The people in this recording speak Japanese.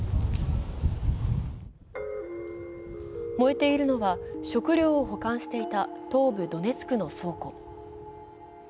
燃えているのは食料を保管していた東部ドネツクの倉庫。